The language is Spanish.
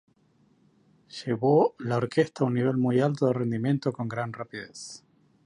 Llevó la orquesta a un nivel muy alto de rendimiento con gran rapidez.